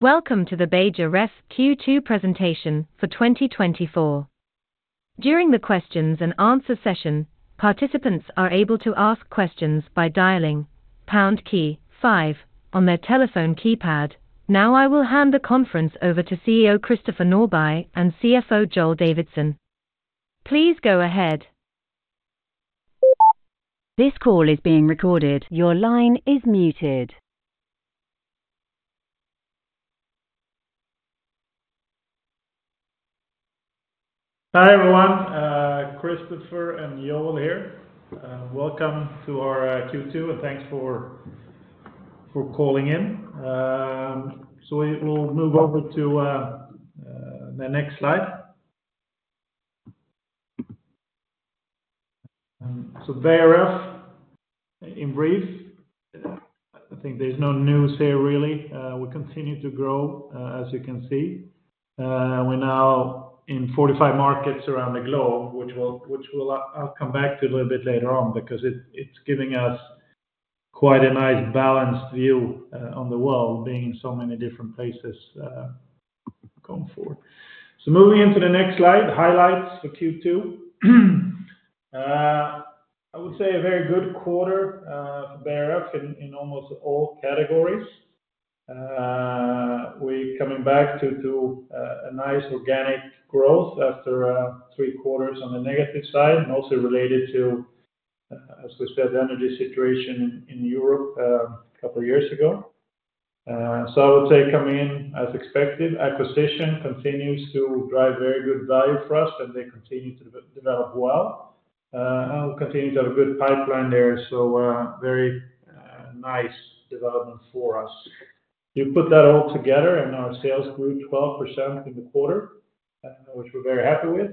Welcome to the Beijer Ref Q2 presentation for 2024. During the Q&A session, participants are able to ask questions by dialing pound key five on their telephone keypad. Now I will hand the conference over to CEO Christopher Norbye and CFO Joel Davidsson. Please go ahead. This call is being recorded. Your line is muted. Hi everyone, Christopher and Joel here. Welcome to our Q2, and thanks for calling in. We will move over to the next slide. Beijer Ref, in brief, I think there's no news here really. We continue to grow, as you can see. We're now in 45 markets around the globe, which I'll come back to a little bit later on because it's giving us quite a nice balanced view on the world, being in so many different places going forward. Moving into the next slide, highlights for Q2. I would say a very good quarter for Beijer Ref in almost all categories. We're coming back to a nice organic growth after three quarters on the negative side, mostly related to, as we said, the energy situation in Europe a couple of years ago. So I would say coming in as expected, acquisition continues to drive very good value for us, and they continue to develop well. We continue to have a good pipeline there, so very nice development for us. You put that all together, and our sales grew 12% in the quarter, which we're very happy with.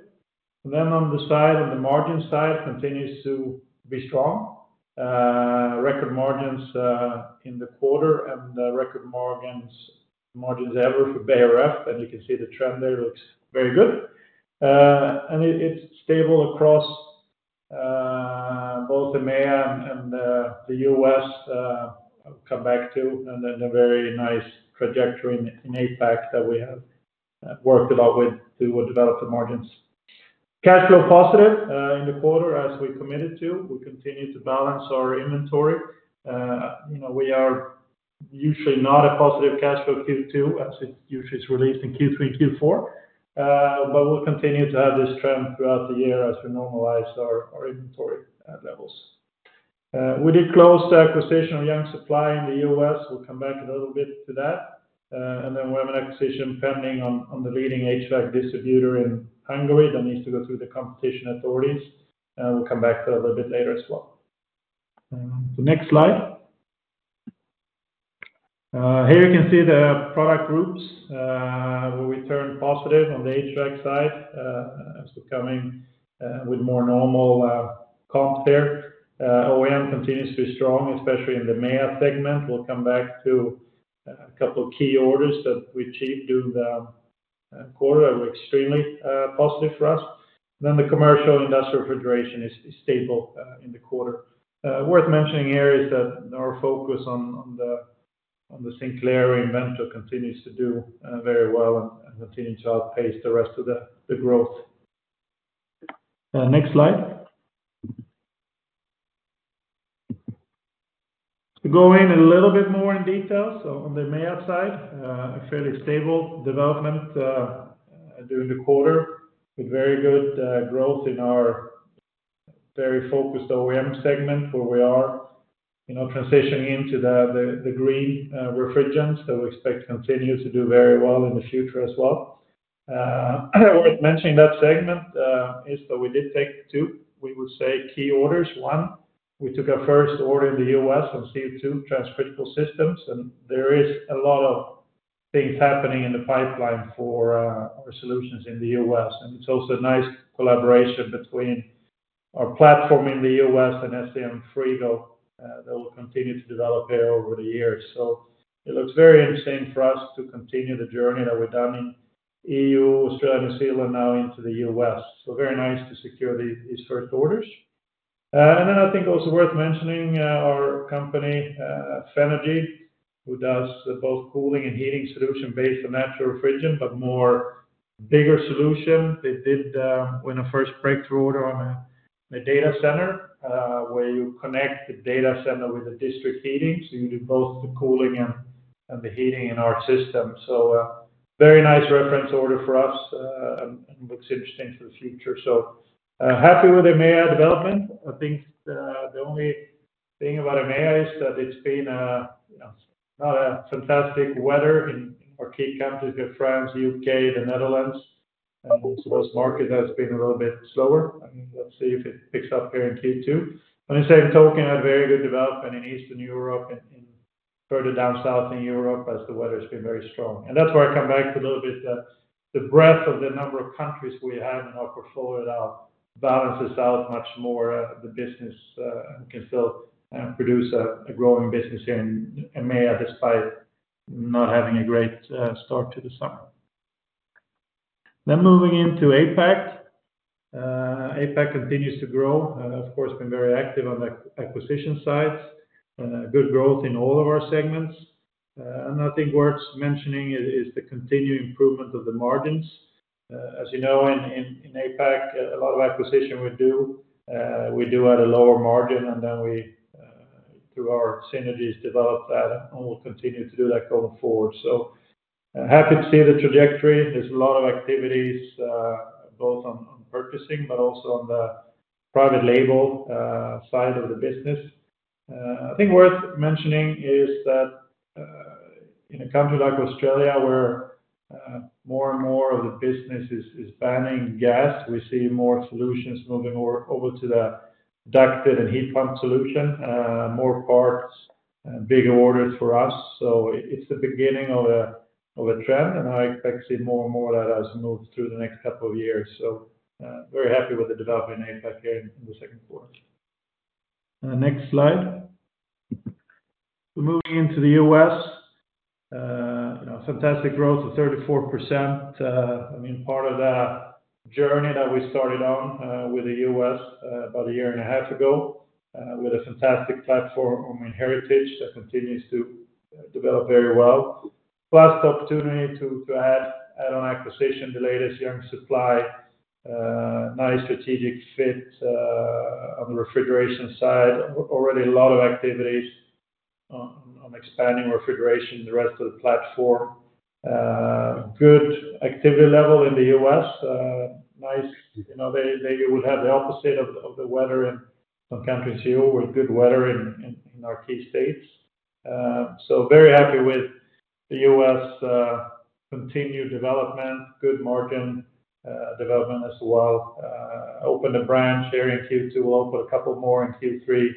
And then on the margin side, it continues to be strong. Record margins in the quarter and record margins ever for Beijer Ref, and you can see the trend there looks very good. And it's stable across both EMEA and the US, I'll come back to, and a very nice trajectory in APAC that we have worked a lot with to develop the margins. Cash flow positive in the quarter, as we committed to. We continue to balance our inventory. We are usually not a positive cash flow Q2, as it usually is released in Q3 and Q4, but we'll continue to have this trend throughout the year as we normalize our inventory levels. We did close the acquisition of Young Supply in the US. We'll come back a little bit to that. And then we have an acquisition pending on the leading HVAC distributor in Hungary that needs to go through the competition authorities. We'll come back to that a little bit later as well. Next slide. Here you can see the product groups where we turned positive on the HVAC side, as we're coming with more normal comp there. OEM continues to be strong, especially in the EMEA segment. We'll come back to a couple of key orders that we achieved during the quarter that were extremely positive for us. Then the commercial industrial refrigeration is stable in the quarter. Worth mentioning here is that our focus on the Sinclair, Inventor continues to do very well and continue to outpace the rest of the growth. Next slide. To go in a little bit more in detail, so on the EMEA side, a fairly stable development during the quarter with very good growth in our very focused OEM segment where we are transitioning into the green refrigerants that we expect to continue to do very well in the future as well. Worth mentioning that segment is that we did take 2, we would say, key orders. One, we took our first order in the US on CO2 transcritical systems, and there are a lot of things happening in the pipeline for our solutions in the US. It's also a nice collaboration between our platform in the US and SCM Frigo that will continue to develop here over the years. It looks very interesting for us to continue the journey that we've done in EU, Australia, New Zealand, now into the US. Very nice to secure these first orders. Then I think also worth mentioning our company, Fenagy, who does both cooling and heating solution based on natural refrigerant, but more bigger solution. They did win a first breakthrough order on a data center where you connect the data center with the district heating. You do both the cooling and the heating in our system. Very nice reference order for us and looks interesting for the future. Happy with EMEA development. I think the only thing about EMEA is that it's been not a fantastic weather in our key countries, we have France, the UK, the Netherlands. And so those markets have been a little bit slower. I mean, let's see if it picks up here in Q2. On the same token, we had very good development in Eastern Europe, further down south in Europe as the weather has been very strong. And that's where I come back to a little bit the breadth of the number of countries we have in our portfolio now balances out much more the business and can still produce a growing business here in EMEA despite not having a great start to the summer. Then moving into APAC. APAC continues to grow. Of course, we've been very active on the acquisition side. Good growth in all of our segments. I think worth mentioning is the continued improvement of the margins. As you know, in APAC, a lot of acquisition we do, we do at a lower margin, and then we, through our synergies, develop that and will continue to do that going forward. So happy to see the trajectory. There's a lot of activities both on purchasing, but also on the private label side of the business. I think worth mentioning is that in a country like Australia where more and more of the business is banning gas, we see more solutions moving over to the ducted and heat pump solution, more parts, bigger orders for us. So it's the beginning of a trend, and I expect to see more and more of that as we move through the next couple of years. So very happy with the development in APAC here in the second quarter. Next slide. Moving into the US. Fantastic growth of 34%. I mean, part of the journey that we started on with the US about a year and a half ago with a fantastic platform in Heritage that continues to develop very well. Plus the opportunity to add on acquisition, the latest Young Supply, nice strategic fit on the refrigeration side. Already a lot of activities on expanding refrigeration, the rest of the platform. Good activity level in the US. Nice. You would have the opposite of the weather in some countries here with good weather in our key states. So very happy with the US continued development, good margin development as well. Opened a branch here in Q2, we'll open a couple more in Q3,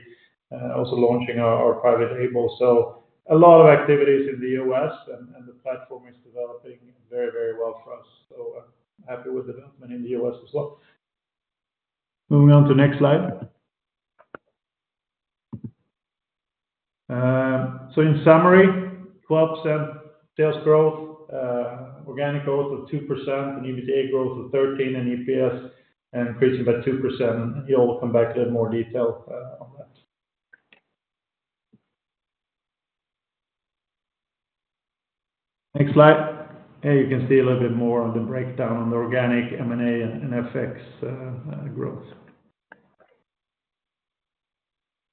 also launching our private label. So a lot of activities in the US, and the platform is developing very, very well for us. So happy with development in the U.S. as well. Moving on to the next slide. So in summary, 12% sales growth, organic growth of 2%, and EBITDA growth of 13% and EPS increasing by 2%. And Joel will come back to that in more detail on that. Next slide. Here you can see a little bit more on the breakdown on the organic M&A and FX growth.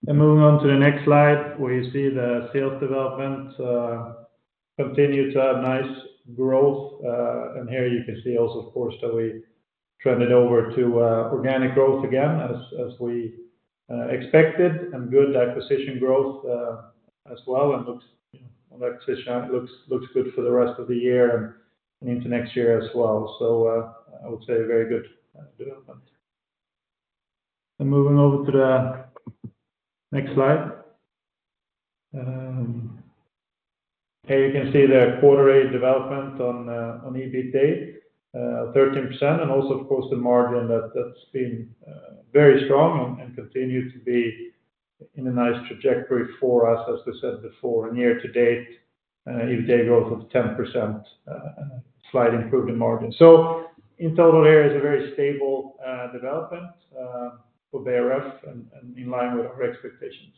And moving on to the next slide where you see the sales development continue to have nice growth. And here you can see also, of course, that we trended over to organic growth again, as we expected, and good acquisition growth as well. And acquisition looks good for the rest of the year and into next year as well. So I would say very good development. And moving over to the next slide. Here you can see the quarterly development on EBITDA, 13%, and also, of course, the margin that's been very strong and continued to be in a nice trajectory for us, as we said before. Year-to-date, EBITDA growth of 10%, slight improved in margin. In total here, it's a very stable development for Beijer Ref and in line with our expectations.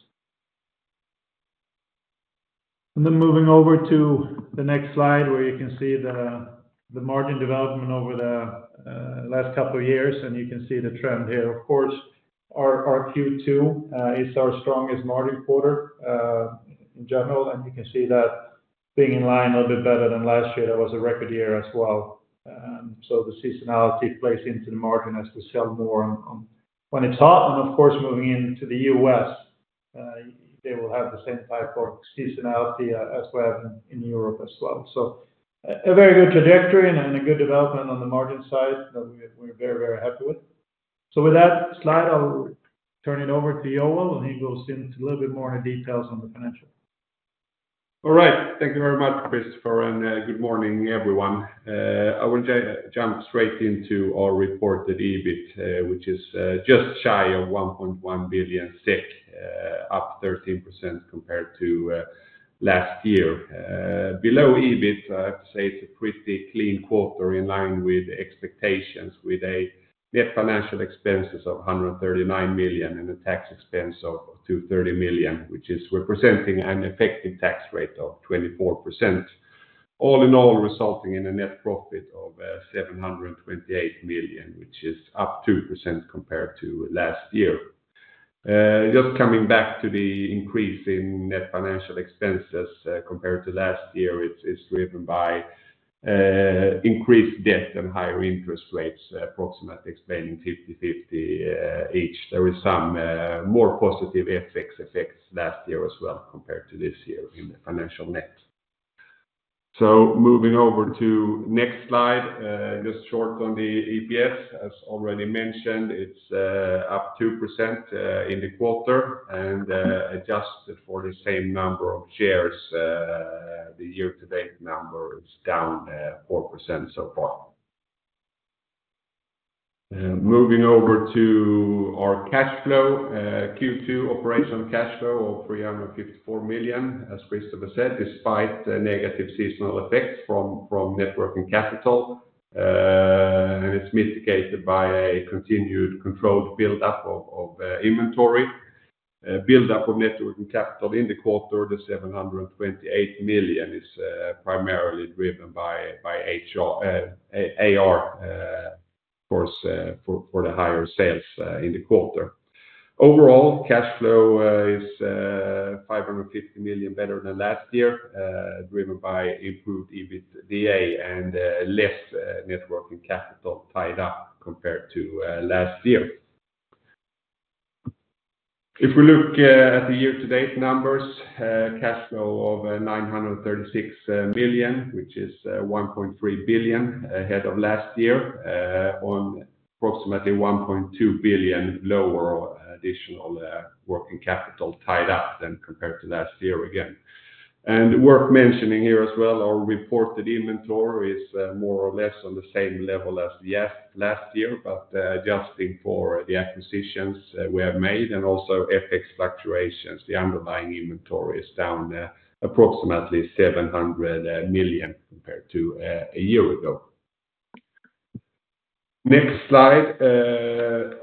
Then moving over to the next slide where you can see the margin development over the last couple of years, and you can see the trend here. Of course, our Q2 is our strongest margin quarter in general, and you can see that being in line a little bit better than last year. That was a record year as well. The seasonality plays into the margin as we sell more when it's hot. Of course, moving into the US, they will have the same type of seasonality as we have in Europe as well. A very good trajectory and a good development on the margin side that we're very, very happy with. With that slide, I'll turn it over to Joel, and he goes into a little bit more details on the financial. All right. Thank you very much, Christopher, and good morning, everyone. I will jump straight into our reported EBIT, which is just shy of 1.1 billion SEK, up 13% compared to last year. Below EBIT, I have to say it's a pretty clean quarter in line with expectations, with a net financial expenses of 139 million and a tax expense of 230 million, which is representing an effective tax rate of 24%. All in all, resulting in a net profit of 728 million, which is up 2% compared to last year. Just coming back to the increase in net financial expenses compared to last year, it's driven by increased debt and higher interest rates, approximately explaining 50/50 each. There were some more positive FX effects last year as well compared to this year in the financial net. So moving over to the next slide, just short on the EPS. As already mentioned, it's up 2% in the quarter and adjusted for the same number of shares. The year-to-date number is down 4% so far. Moving over to our cash flow, Q2 operational cash flow of 354 million, as Christopher said, despite negative seasonal effects from working capital. And it's mitigated by a continued controlled build-up of inventory. Build-up of working capital in the quarter to 728 million is primarily driven by AR, of course, for the higher sales in the quarter. Overall, cash flow is 550 million better than last year, driven by improved EBITDA and less working capital tied up compared to last year. If we look at the year-to-date numbers, cash flow of 936 million, which is 1.3 billion ahead of last year, on approximately 1.2 billion lower additional working capital tied up than compared to last year again. Worth mentioning here as well, our reported inventory is more or less on the same level as last year, but adjusting for the acquisitions we have made and also FX fluctuations. The underlying inventory is down approximately 700 million compared to a year ago. Next slide,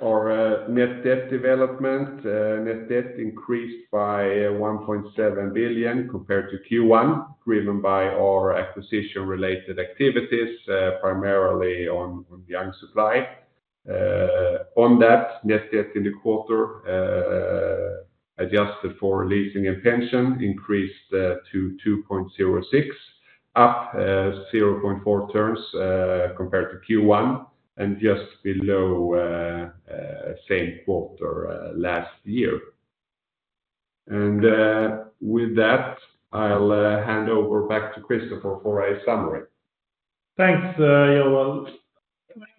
our net debt development. Net debt increased by 1.7 billion compared to Q1, driven by our acquisition-related activities, primarily on Young Supply. On that, net debt in the quarter, adjusted for leasing and pension, increased to 2.06, up 0.4 turns compared to Q1, and just below same quarter last year. With that, I'll hand over back to Christopher for a summary. Thanks, Joel.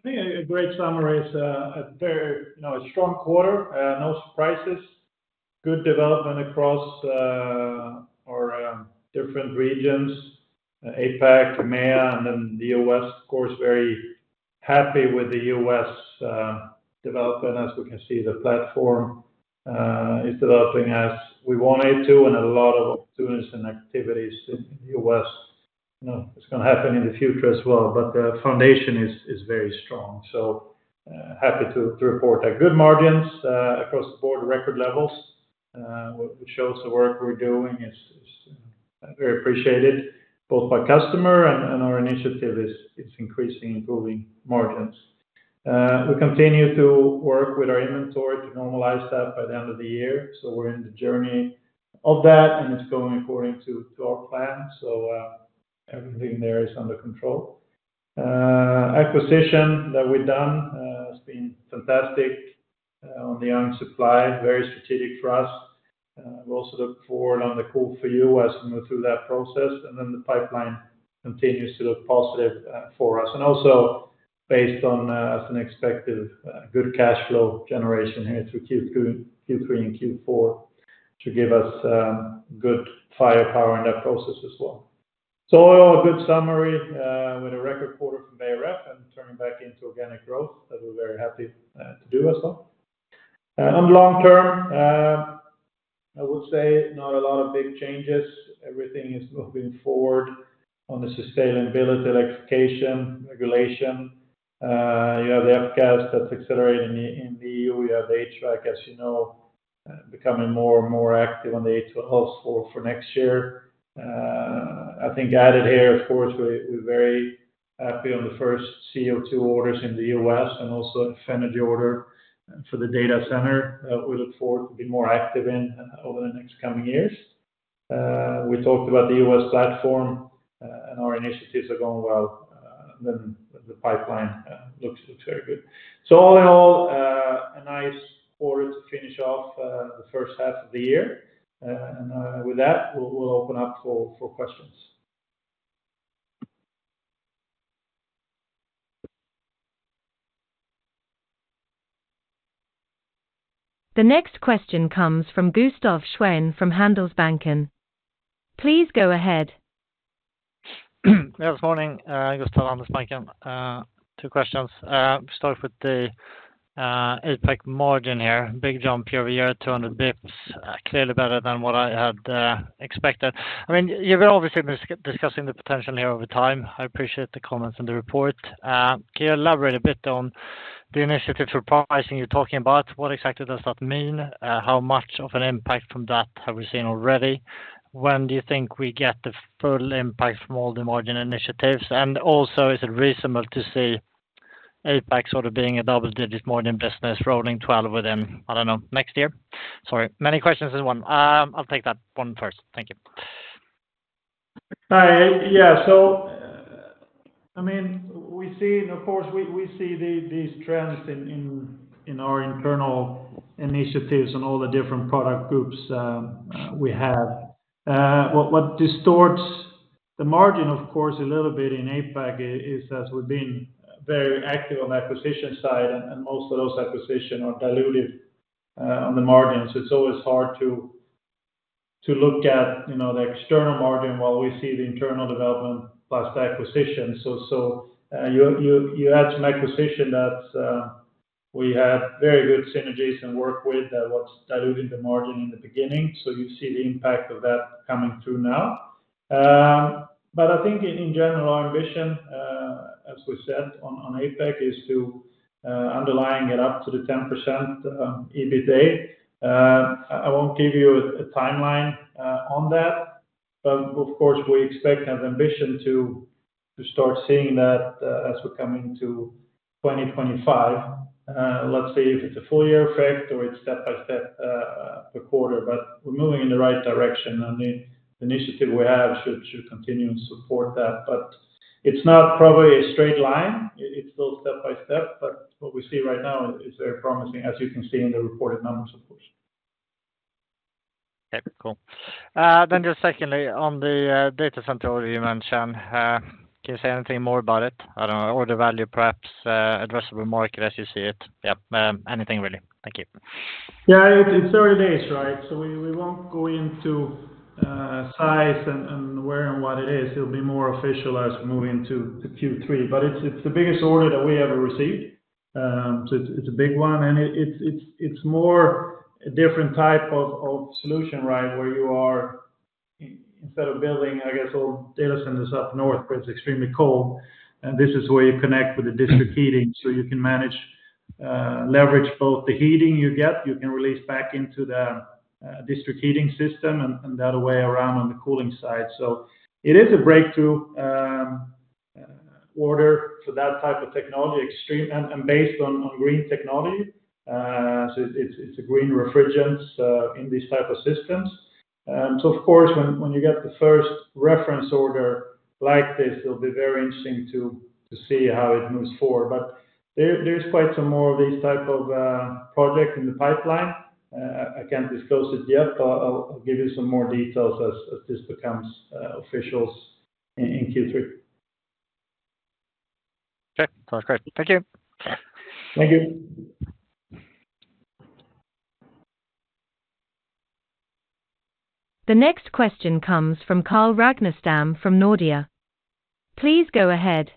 A great summary. It's a very strong quarter, no surprises. Good development across our different regions, APAC, EMEA, and then the US. Of course, very happy with the US development as we can see the platform is developing as we want it to and a lot of opportunities and activities in the US. It's going to happen in the future as well, but the foundation is very strong. So happy to report that good margins across the board, record levels, which shows the work we're doing is very appreciated both by customer and our initiative is increasing, improving margins. We continue to work with our inventory to normalize that by the end of the year. So we're in the journey of that, and it's going according to our plan. So everything there is under control. Acquisition that we've done has been fantastic on the Young Supply, very strategic for us. We also look forward on the call for you as we move through that process. And then the pipeline continues to look positive for us. And also based on, as an expected, good cash flow generation here through Q3 and Q4 to give us good firepower in that process as well. So a good summary with a record quarter from Beijer Ref and turning back into organic growth that we're very happy to do as well. On the long term, I would say not a lot of big changes. Everything is moving forward on the sustainability, electrification, regulation. You have the F-Gas that's accelerating in the EU. You have HVAC, as you know, becoming more and more active on the A2Ls for next year. I think, added here, of course, we're very happy on the first CO2 orders in the US and also the Fenagy order for the data center that we look forward to be more active in over the next coming years. We talked about the US platform, and our initiatives are going well. Then the pipeline looks very good. So all in all, a nice quarter to finish off the first half of the year. And with that, we'll open up for questions. The next question comes from Gustav Schwenn from Handelsbanken. Please go ahead. Yeah, good morning, Gustav, Handelsbanken. Two questions. We start with the APAC margin here. Big jump year-over-year, 200 basis points, clearly better than what I had expected. I mean, you've been obviously discussing the potential here over time. I appreciate the comments and the report. Can you elaborate a bit on the initiative for pricing you're talking about? What exactly does that mean? How much of an impact from that have we seen already? When do you think we get the full impact from all the margin initiatives? And also, is it reasonable to see APAC sort of being a double-digit margin business rolling 12 within, I don't know, next year? Sorry. Many questions in one. I'll take that one first. Thank you. Hi. Yeah. So I mean, of course, we see these trends in our internal initiatives and all the different product groups we have. What distorts the margin, of course, a little bit in APAC is as we've been very active on the acquisition side, and most of those acquisitions are diluted on the margins. It's always hard to look at the external margin while we see the internal development plus the acquisition. So you had some acquisition that we had very good synergies and worked with that was diluting the margin in the beginning. So you see the impact of that coming through now. But I think in general, our ambition, as we said on APAC, is to underline it up to the 10% EBITDA. I won't give you a timeline on that, but of course, we expect and have ambition to start seeing that as we come into 2025. Let's see if it's a full-year effect or it's step-by-step per quarter, but we're moving in the right direction, and the initiative we have should continue to support that. But it's not probably a straight line. It's still step-by-step, but what we see right now is very promising, as you can see in the reported numbers, of course. Okay. Cool. Then just secondly, on the data center order you mentioned, can you say anything more about it? I don't know, order value, perhaps, addressable market as you see it. Yeah. Anything really? Thank you. Yeah. It's early days, right? So we won't go into size and where and what it is. It'll be more official as we move into Q3, but it's the biggest order that we ever received. So it's a big one, and it's more a different type of solution, right, where you are, instead of building, I guess, all data centers up north, where it's extremely cold, and this is where you connect with the district heating. So you can manage, leverage both the heating you get, you can release back into the district heating system, and the other way around on the cooling side. So it is a breakthrough order for that type of technology, and based on green technology. So it's a green refrigerant in these types of systems. So of course, when you get the first reference order like this, it'll be very interesting to see how it moves forward. But there's quite some more of these types of projects in the pipeline. I can't disclose it yet, but I'll give you some more details as this becomes official in Q3. Okay. Sounds great. Thank you. Thank you. The next question comes from Carl Ragnerstam from Nordea. Please go ahead.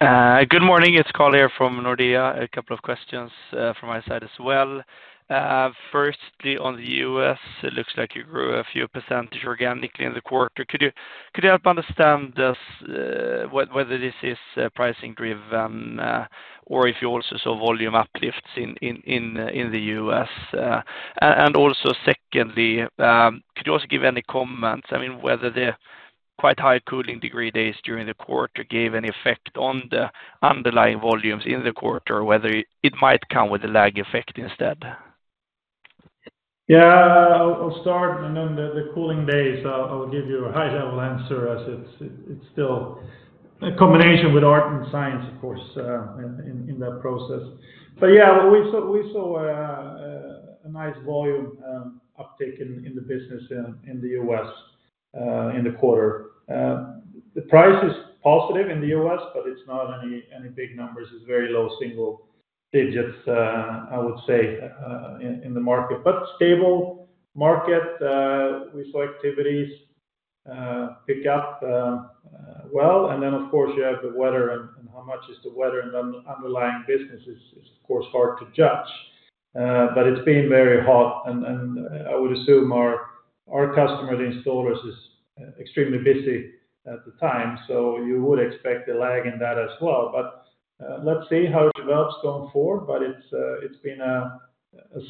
Good morning. It's Carl here from Nordea. A couple of questions from my side as well. Firstly, on the US, it looks like you grew a few% organically in the quarter. Could you help me understand whether this is pricing-driven or if you also saw volume uplifts in the US? And also secondly, could you also give any comments? I mean, whether the quite high cooling degree days during the quarter gave any effect on the underlying volumes in the quarter, or whether it might come with a lag effect instead? Yeah. I'll start, and then the cooling days, I'll give you a high-level answer as it's still a combination with art and science, of course, in that process. But yeah, we saw a nice volume uptake in the business in the US in the quarter. The price is positive in the US, but it's not any big numbers. It's very low single digits, I would say, in the market, but stable market. We saw activities pick up well, and then, of course, you have the weather and how much is the weather, and the underlying business is, of course, hard to judge. But it's been very hot, and I would assume our customer, the installers, is extremely busy at the time. So you would expect a lag in that as well. But let's see how it develops going forward, but it's been a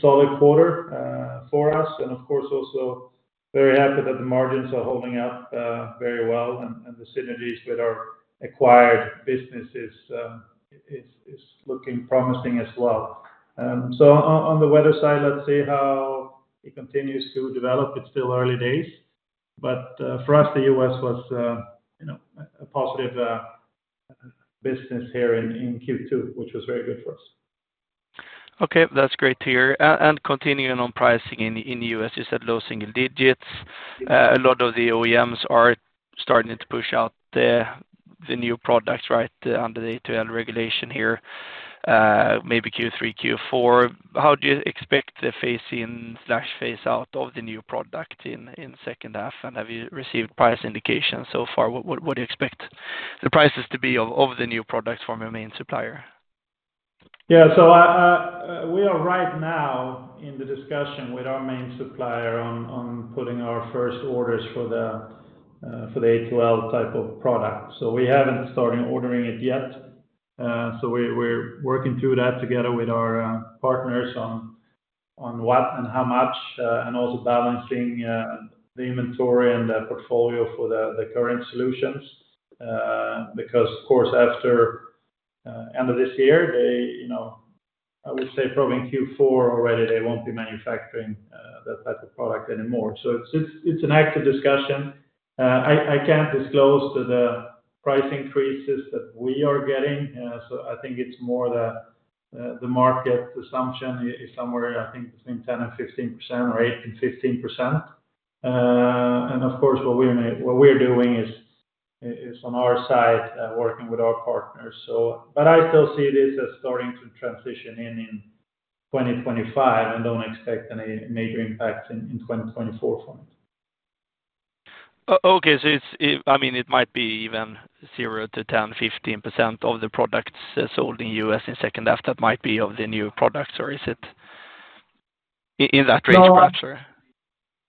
solid quarter for us, and of course, also very happy that the margins are holding up very well, and the synergies with our acquired business is looking promising as well. So on the weather side, let's see how it continues to develop. It's still early days, but for us, the U.S. was a positive business here in Q2, which was very good for us. Okay. That's great to hear. And continuing on pricing in the U.S., you said low single digits. A lot of the OEMs are starting to push out the new products, right, under the A2L regulation here, maybe Q3, Q4. How do you expect the phase-in/phase-out of the new product in the second half? And have you received price indications so far? What do you expect the prices to be of the new products from your main supplier? Yeah. So we are right now in the discussion with our main supplier on putting our first orders for the A2L type of product. So we haven't started ordering it yet. So we're working through that together with our partners on what and how much, and also balancing the inventory and the portfolio for the current solutions. Because, of course, after the end of this year, I would say probably in Q4 already, they won't be manufacturing that type of product anymore. So it's an active discussion. I can't disclose the price increases that we are getting. So I think it's more the market assumption is somewhere, I think, between 10%-15% or 8%-15%. And of course, what we're doing is on our side, working with our partners. I still see this as starting to transition in 2025 and don't expect any major impacts in 2024 from it. Okay. So I mean, it might be even 0-10, 15% of the products sold in the US in the second half. That might be of the new products, or is it in that range perhaps?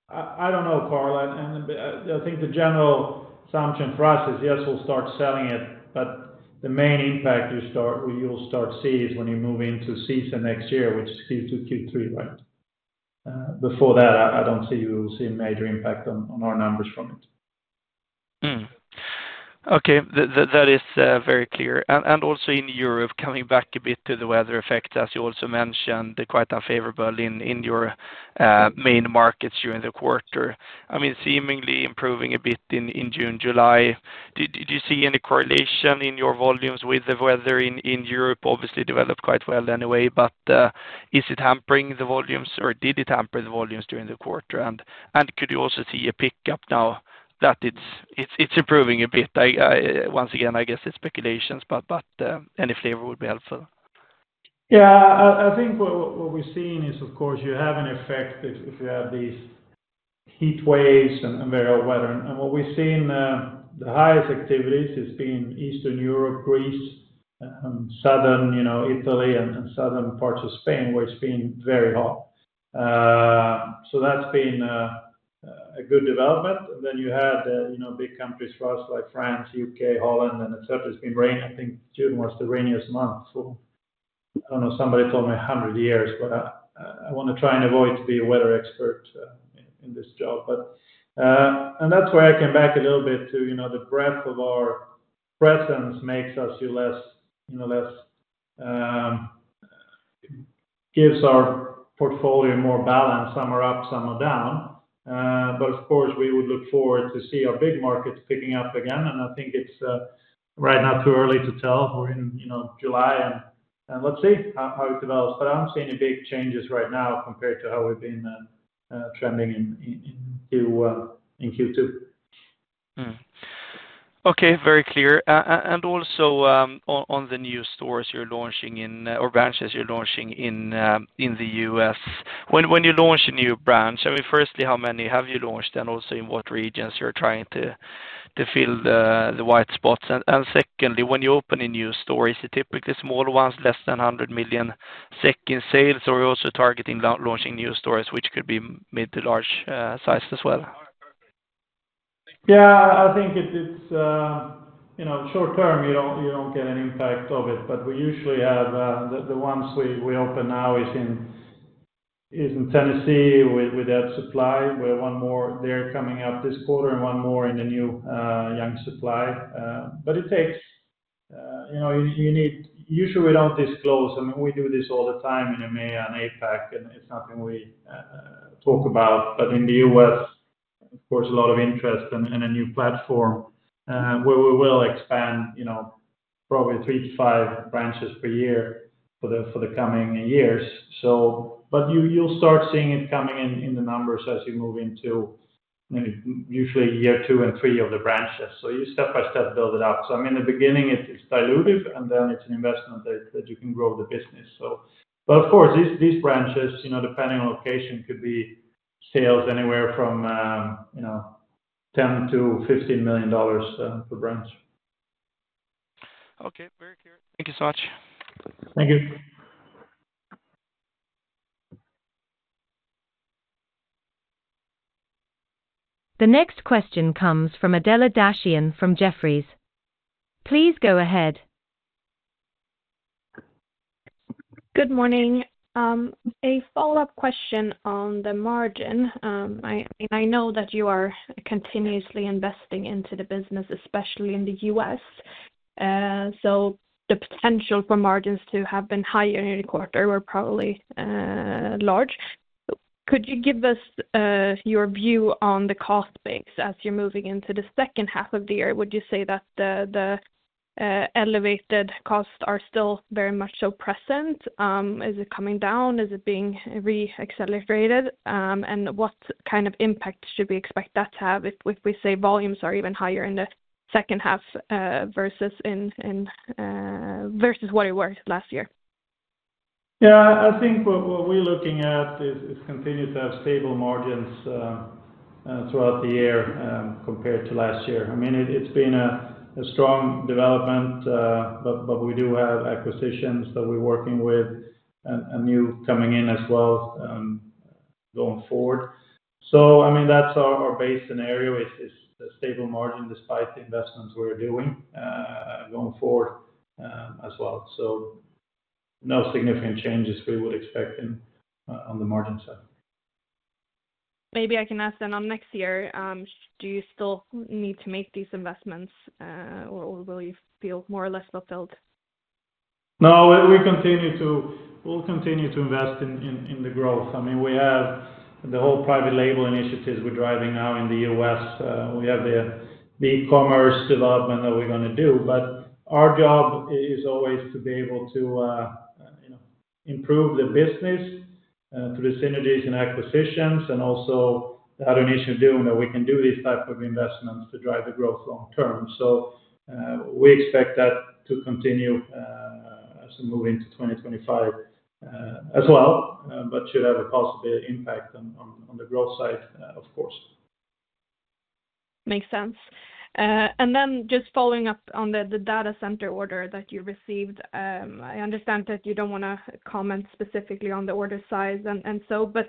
I don't know, Karl. I think the general assumption for us is, yes, we'll start selling it, but the main impact you'll start to see is when you move into season next year, which is Q2, Q3, right? Before that, I don't see we will see a major impact on our numbers from it. Okay. That is very clear. And also in Europe, coming back a bit to the weather effect, as you also mentioned, quite unfavorable in your main markets during the quarter. I mean, seemingly improving a bit in June, July. Do you see any correlation in your volumes with the weather in Europe? Obviously, developed quite well anyway, but is it hampering the volumes, or did it hamper the volumes during the quarter? And could you also see a pickup now that it's improving a bit? Once again, I guess it's speculations, but any flavor would be helpful. Yeah. I think what we're seeing is, of course, you have an effect if you have these heat waves and variable weather. And what we've seen, the highest activities has been Eastern Europe, Greece, and Southern Italy, and Southern parts of Spain, where it's been very hot. So that's been a good development. And then you had big countries for us like France, UK, Holland, and etc. It's been rainy. I think June was the rainiest month. I don't know. Somebody told me 100 years, but I want to try and avoid being a weather expert in this job. And that's where I came back a little bit to the breadth of our presence makes us less gives our portfolio more balance, some are up, some are down. But of course, we would look forward to seeing our big markets picking up again. I think it's right now too early to tell. We're in July, and let's see how it develops. I'm seeing big changes right now compared to how we've been trending in Q2. Okay. Very clear. And also on the new stores you're launching in or branches you're launching in the U.S., when you launch a new branch, I mean, firstly, how many have you launched, and also in what regions you're trying to fill the white spots? And secondly, when you open a new store, is it typically small ones, less than 100 million sales, or are you also targeting launching new stores, which could be mid to large size as well? Yeah. I think it's short term. You don't get an impact of it, but we usually have the ones we open now is in Tennessee with Ed's Supply. We have one more there coming up this quarter and one more in the new Young Supply. But it takes you need usually we don't disclose. I mean, we do this all the time in EMEA and APAC, and it's nothing we talk about. But in the US, of course, a lot of interest and a new platform where we will expand probably three to five branches per year for the coming years. But you'll start seeing it coming in the numbers as you move into usually year two and three of the branches. So you step by step build it up. So I mean, in the beginning, it's diluted, and then it's an investment that you can grow the business. But of course, these branches, depending on location, could be sales anywhere from $10 million-$15 million per branch. Okay. Very clear. Thank you so much. Thank you. The next question comes from Adela Dashian from Jefferies. Please go ahead. Good morning. A follow-up question on the margin. I know that you are continuously investing into the business, especially in the US. So the potential for margins to have been higher in the quarter were probably large. Could you give us your view on the cost base as you're moving into the second half of the year? Would you say that the elevated costs are still very much so present? Is it coming down? Is it being re-accelerated? And what kind of impact should we expect that to have if we say volumes are even higher in the second half versus what it was last year? Yeah. I think what we're looking at is continue to have stable margins throughout the year compared to last year. I mean, it's been a strong development, but we do have acquisitions that we're working with and new coming in as well going forward. So I mean, that's our base scenario is a stable margin despite the investments we're doing going forward as well. So no significant changes we would expect on the margin side. Maybe I can ask, then, on next year, do you still need to make these investments, or will you feel more or less fulfilled? No. We'll continue to invest in the growth. I mean, we have the whole private label initiatives we're driving now in the U.S. We have the e-commerce development that we're going to do, but our job is always to be able to improve the business through the synergies and acquisitions and also the automation doing that we can do these types of investments to drive the growth long term. So we expect that to continue as we move into 2025 as well, but should have a possible impact on the growth side, of course. Makes sense. And then just following up on the data center order that you received, I understand that you don't want to comment specifically on the order size and so, but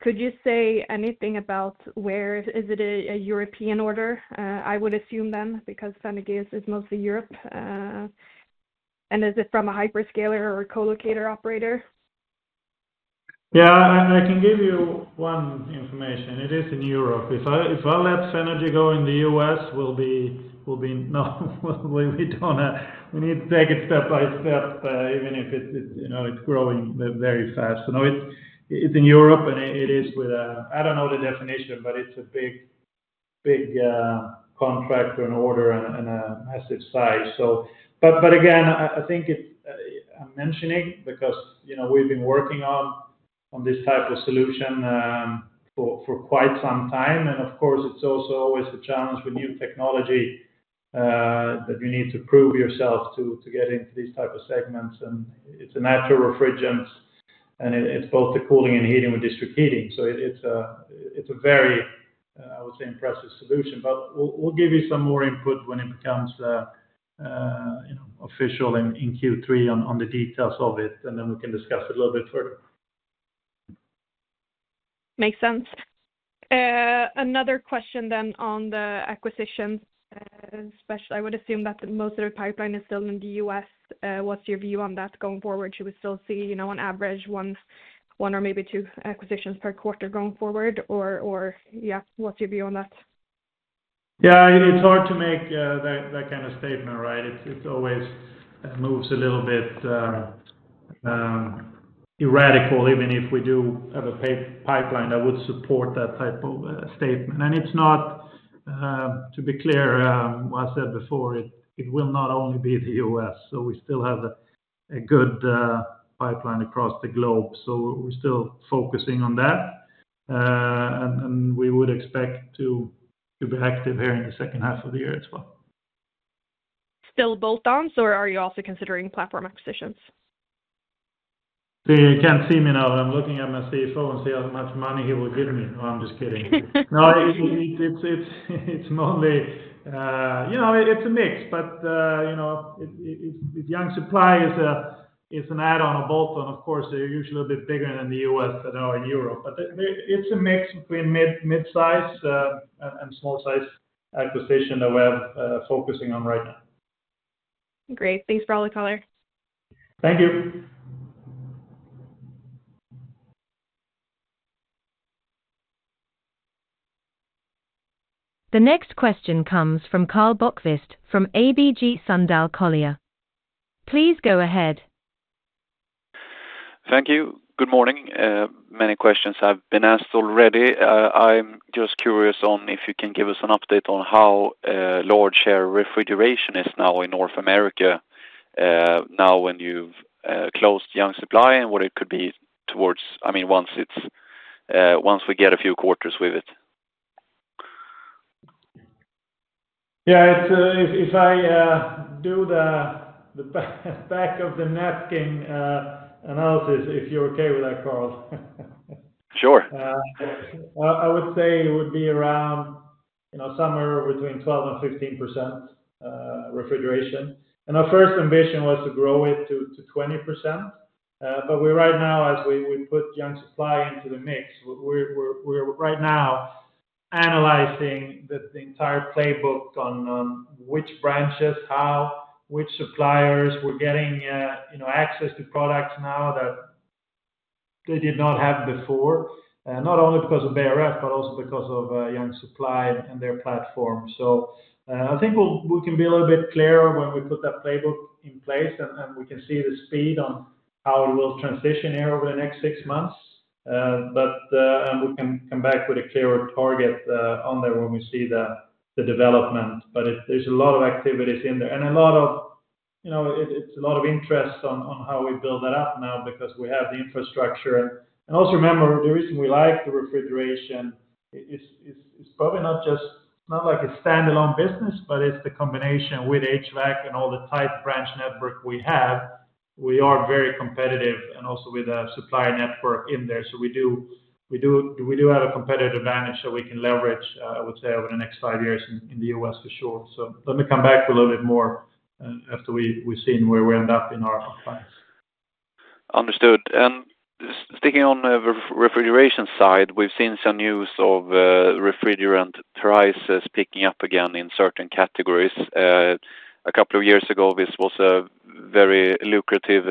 could you say anything about where is it a European order, I would assume then, because Fenagy is mostly Europe? And is it from a hyperscaler or a co-locator operator? Yeah. I can give you one information. It is in Europe. If I let Fenagy go in the US, we'll be nowhere. We need to take it step by step, even if it's growing very fast. So it's in Europe, and it is with a—I don't know the definition, but it's a big contract or an order and a massive size. But again, I think it's mentioning because we've been working on this type of solution for quite some time. And of course, it's also always a challenge with new technology that you need to prove yourself to get into these types of segments. And it's a natural refrigerant, and it's both the cooling and heating with district heating. So it's a very, I would say, impressive solution. But we'll give you some more input when it becomes official in Q3 on the details of it, and then we can discuss it a little bit further. Makes sense. Another question then on the acquisitions. I would assume that most of the pipeline is still in the U.S. What's your view on that going forward? Should we still see on average one or maybe two acquisitions per quarter going forward? Or yeah, what's your view on that? Yeah. It's hard to make that kind of statement, right? It always moves a little bit erratically, even if we do have a pipeline that would support that type of statement. It's not, to be clear, what I said before. It will not only be the U.S. We still have a good pipeline across the globe. We're still focusing on that, and we would expect to be active here in the second half of the year as well. Still bolt-ons, or are you also considering platform acquisitions? You can't see me now. I'm looking at my CFO and see how much money he will give me. Oh, I'm just kidding. No. It's mostly a mix, but Young Supply is an add-on, a bolt-on. Of course, they're usually a bit bigger than the US and Europe in Europe. But it's a mix between mid-size and small-size acquisition that we're focusing on right now. Great. Thanks, Brawley Caller. Thank you. The next question comes from Karl Bokvist from ABG Sundal Collier. Please go ahead. Thank you. Good morning. Many questions have been asked already. I'm just curious if you can give us an update on how large share refrigeration is now in North America now when you've closed Young Supply and what it could be toward I mean, once we get a few quarters with it? Yeah. If I do the back of the napkin analysis, if you're okay with that, Karl. Sure. I would say it would be around somewhere between 12% and 15% refrigeration. And our first ambition was to grow it to 20%. But right now, as we put Young Supply into the mix, we're right now analyzing the entire playbook on which branches, how, which suppliers we're getting access to products now that they did not have before, not only because of BRF, but also because of Young Supply and their platform. So I think we can be a little bit clearer when we put that playbook in place, and we can see the speed on how it will transition here over the next six months. And we can come back with a clearer target on there when we see the development. But there's a lot of activities in there. A lot of it's a lot of interest on how we build that up now because we have the infrastructure. Also remember, the reason we like the refrigeration is probably not just not like a standalone business, but it's the combination with HVAC and all the tight branch network we have. We are very competitive and also with a supply network in there. We do have a competitive advantage that we can leverage, I would say, over the next five years in the U.S. for sure. Let me come back a little bit more after we've seen where we end up in our compliance. Understood. And sticking on the refrigeration side, we've seen some news of refrigerant prices picking up again in certain categories. A couple of years ago, this was a very lucrative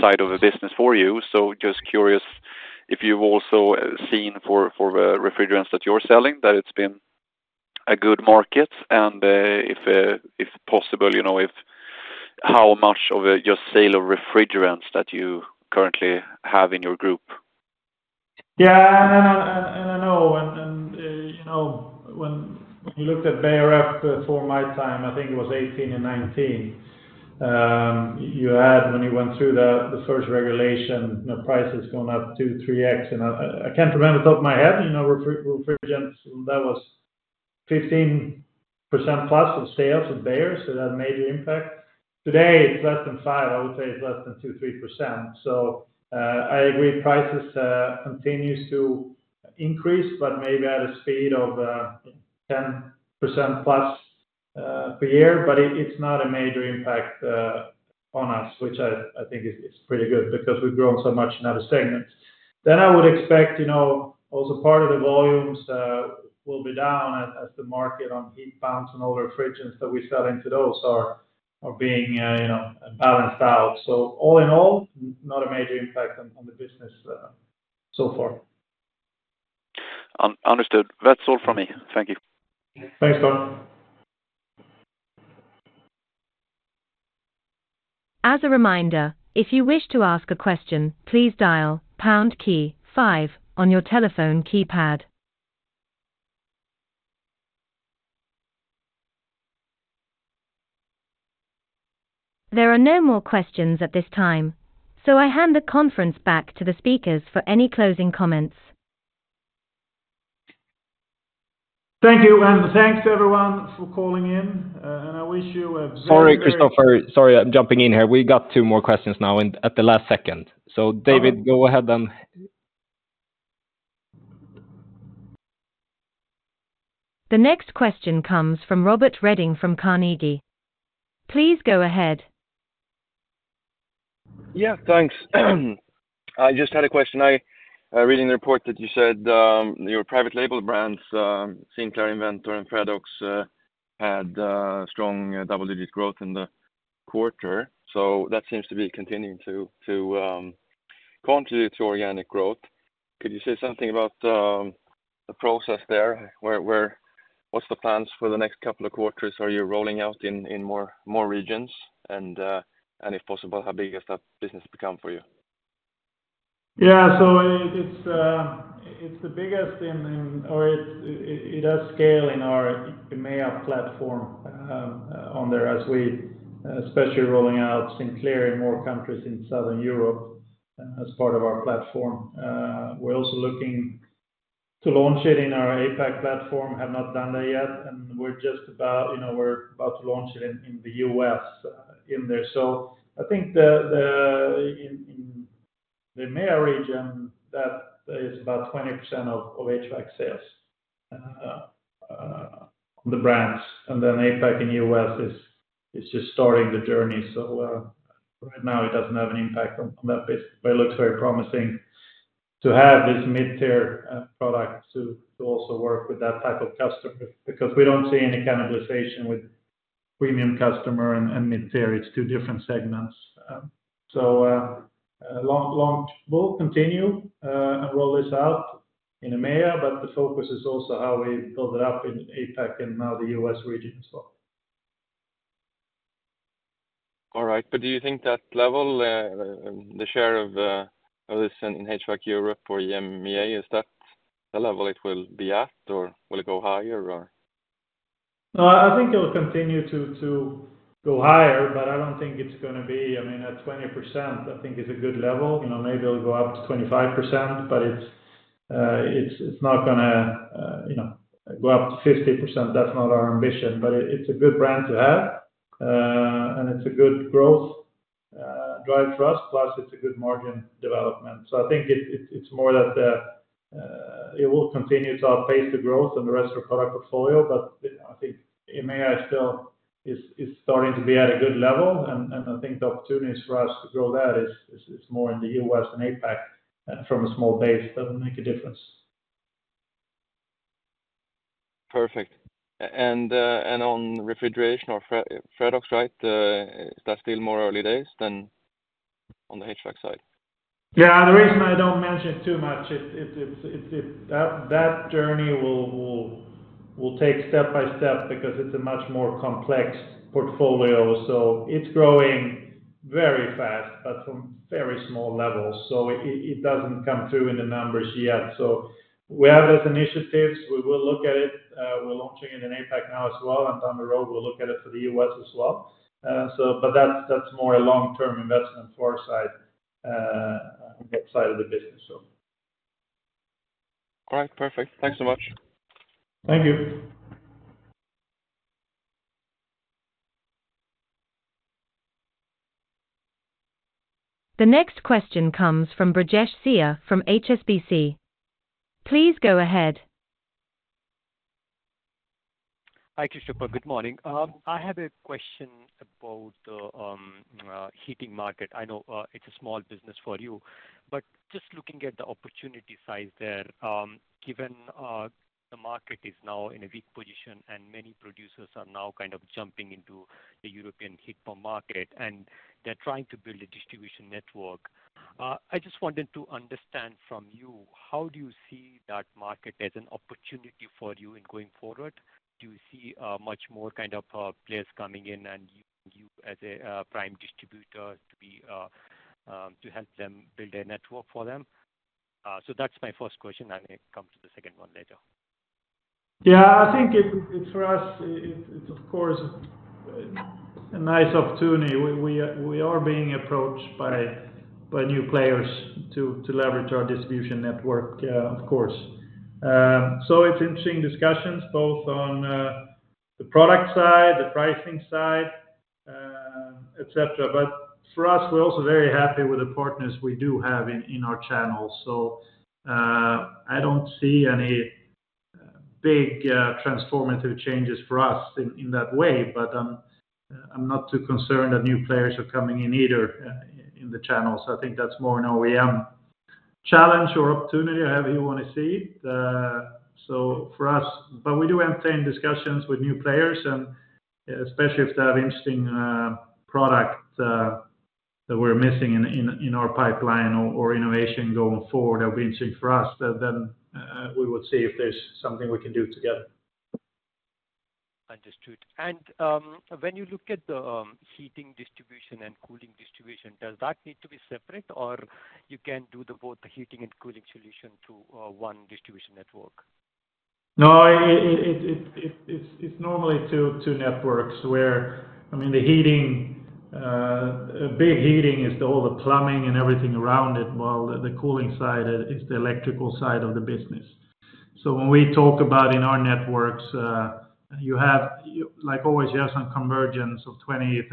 side of the business for you. So just curious if you've also seen for the refrigerants that you're selling that it's been a good market? And if possible, how much of your sale of refrigerants that you currently have in your group? Yeah. And I know. And when you looked at BRF before my time, I think it was 2018 and 2019, you had when you went through the first regulation, prices going up 2-3x. And I can't remember off the top of my head. Refrigerants, that was 15%+ of sales with Beijer. So that had a major impact. Today, it's less than 5%. I would say it's less than 2-3%. So I agree prices continue to increase, but maybe at a speed of 10%+ per year. But it's not a major impact on us, which I think is pretty good because we've grown so much in other segments. Then I would expect also part of the volumes will be down as the market on heat pumps and older refrigerants that we sell into those are being balanced out. All in all, not a major impact on the business so far. Understood. That's all from me. Thank you. Thanks, Karl. As a reminder, if you wish to ask a question, please dial pound key five on your telephone keypad. There are no more questions at this time, so I hand the conference back to the speakers for any closing comments. Thank you. Thanks, everyone, for calling in. I wish you a very good day. Sorry, Christopher. Sorry, I'm jumping in here. We got two more questions now at the last second. So David, go ahead and. The next question comes from Robert Redin from Carnegie. Please go ahead. Yeah. Thanks. I just had a question. Reading the report that you said, your private label brands, Sinclair, Inventor, and Freddox had strong double-digit growth in the quarter. So that seems to be continuing to contribute to organic growth. Could you say something about the process there? What's the plans for the next couple of quarters? Are you rolling out in more regions? And if possible, how big has that business become for you? Yeah. So it's the biggest in or it does scale in our EMEA platform on there as we especially rolling out Sinclair in more countries in Southern Europe as part of our platform. We're also looking to launch it in our APAC platform. Have not done that yet. And we're just about we're about to launch it in the US in there. So I think in the EMEA region, that is about 20% of HVAC sales on the brands. And then APAC in the US is just starting the journey. So right now, it doesn't have an impact on that base. But it looks very promising to have this mid-tier product to also work with that type of customer because we don't see any cannibalization with premium customer and mid-tier. It's two different segments. So we'll continue and roll this out in EMEA, but the focus is also how we build it up in APAC and now the US region as well. All right. But do you think that level, the share of this in HVAC Europe for EMEA, is that the level it will be at, or will it go higher, or? No. I think it will continue to go higher, but I don't think it's going to be—I mean, at 20%, I think—is a good level. Maybe it'll go up to 25%, but it's not going to go up to 50%. That's not our ambition. But it's a good brand to have, and it's a good growth drive for us. Plus, it's a good margin development. So I think it's more that it will continue to outpace the growth and the rest of the product portfolio. But I think EMEA still is starting to be at a good level. And I think the opportunities for us to grow that is more in the US and APAC from a small base doesn't make a difference. Perfect. And on refrigeration or Freddox, right, is that still more early days than on the HVAC side? Yeah. The reason I don't mention it too much, that journey will take step by step because it's a much more complex portfolio. So it's growing very fast, but from very small levels. So it doesn't come through in the numbers yet. So we have those initiatives. We will look at it. We're launching it in APAC now as well. And down the road, we'll look at it for the US as well. But that's more a long-term investment for us side of the business, so. All right. Perfect. Thanks so much. Thank you. The next question comes from Brijesh Siya from HSBC. Please go ahead. Hi, Christopher. Good morning. I had a question about the heating market. I know it's a small business for you, but just looking at the opportunity size there, given the market is now in a weak position and many producers are now kind of jumping into the European heat pump market and they're trying to build a distribution network, I just wanted to understand from you, how do you see that market as an opportunity for you in going forward? Do you see much more kind of players coming in and you as a prime distributor to help them build a network for them? So that's my first question. I may come to the second one later. Yeah. I think for us, it's, of course, a nice opportunity. We are being approached by new players to leverage our distribution network, of course. So it's interesting discussions both on the product side, the pricing side, etc. But for us, we're also very happy with the partners we do have in our channels. So I don't see any big transformative changes for us in that way. But I'm not too concerned that new players are coming in either in the channels. I think that's more an OEM challenge or opportunity. However you want to see it. So for us, but we do entertain discussions with new players. And especially if they have interesting product that we're missing in our pipeline or innovation going forward that would be interesting for us, then we would see if there's something we can do together. Understood. When you look at the heating distribution and cooling distribution, does that need to be separate, or you can do both the heating and cooling solution to one distribution network? No. It's normally two networks where, I mean, the heating, big heating is all the plumbing and everything around it, while the cooling side is the electrical side of the business. So when we talk about in our networks, like always, you have some convergence of 20%,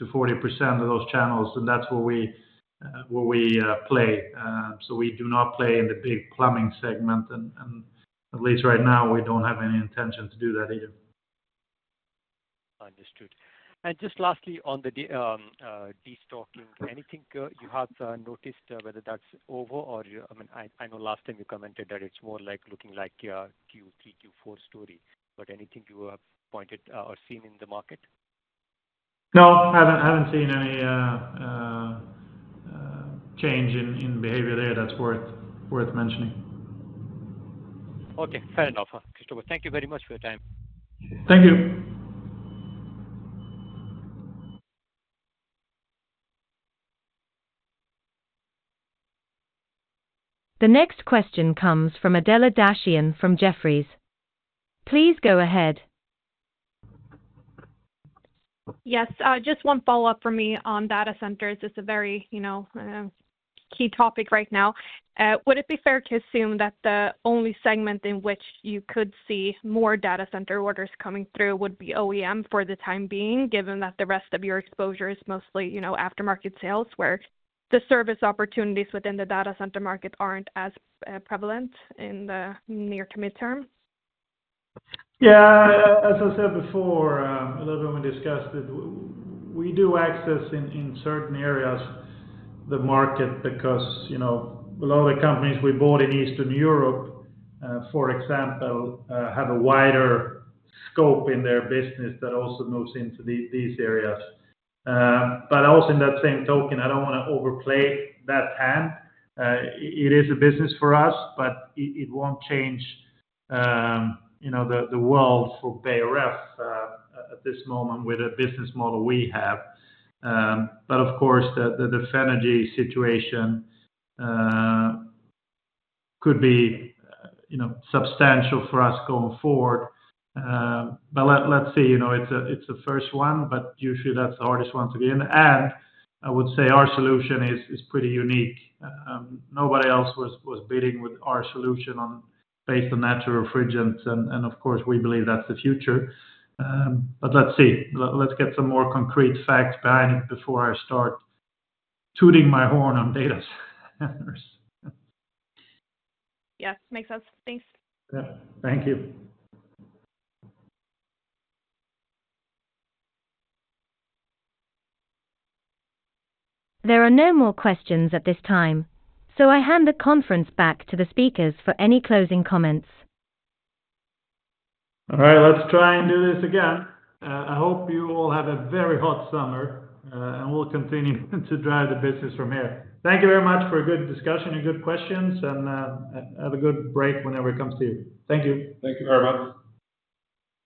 30%-40% of those channels, and that's where we play. So we do not play in the big plumbing segment. At least right now, we don't have any intention to do that either. Understood. And just lastly, on the destocking, anything you have noticed, whether that's over or, I mean, I know last time you commented that it's more looking like Q3, Q4 story. But anything you have pointed or seen in the market? No. I haven't seen any change in behavior there that's worth mentioning. Okay. Fair enough, Christopher. Thank you very much for your time. Thank you. The next question comes from Adela Dashian from Jefferies. Please go ahead. Yes. Just one follow-up for me on data centers. It's a very key topic right now. Would it be fair to assume that the only segment in which you could see more data center orders coming through would be OEM for the time being, given that the rest of your exposure is mostly aftermarket sales where the service opportunities within the data center market aren't as prevalent in the near to midterm? Yeah. As I said before, a little bit when we discussed it, we do access in certain areas the market because a lot of the companies we bought in Eastern Europe, for example, have a wider scope in their business that also moves into these areas. But also in that same token, I don't want to overplay that hand. It is a business for us, but it won't change the world for Beijer Ref at this moment with the business model we have. But of course, the Fenagy situation could be substantial for us going forward. But let's see. It's the first one, but usually that's the hardest one to be in. And I would say our solution is pretty unique. Nobody else was bidding with our solution based on natural refrigerants. And of course, we believe that's the future. But let's see. Let's get some more concrete facts behind it before I start tooting my horn on data centers. Yes. Makes sense. Thanks. Yeah. Thank you. There are no more questions at this time. So I hand the conference back to the speakers for any closing comments. All right. Let's try and do this again. I hope you all have a very hot summer, and we'll continue to drive the business from here. Thank you very much for a good discussion and good questions. And have a good break whenever it comes to you. Thank you. Thank you very much.